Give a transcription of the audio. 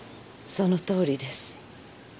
そのとおりです。